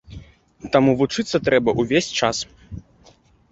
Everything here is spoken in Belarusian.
Таму вучыцца трэба ўвесь час.